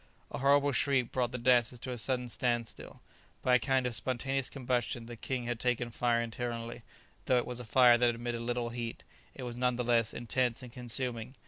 A horrible shriek brought the dancers to a sudden standstill. By a kind of spontaneous combustion, the king had taken fire internally; though it was a fire that emitted little heat, it was none the less intense and consuming.